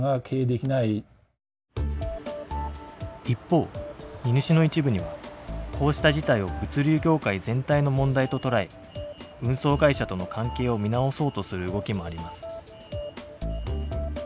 一方荷主の一部にはこうした事態を物流業界全体の問題と捉え運送会社との関係を見直そうとする動きもあります。